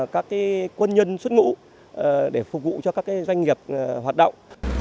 các quân nhân xuất ngũ để phục vụ cho các doanh nghiệp hoạt động